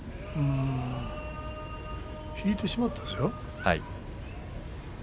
引いてしまったでしょう？